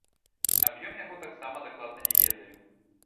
Аб'ём яго таксама дакладна не ведаю.